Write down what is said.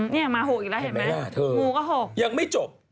นี่มา๖อีกแล้วเห็นไหมงูก็๖ยังไม่จบ